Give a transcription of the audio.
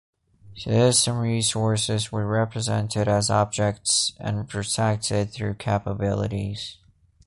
System resources were represented as objects and protected through capabilities.